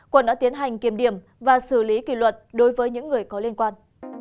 quận đã tiến hành kiểm điểm và xử lý kỷ luật đối với những người có liên quan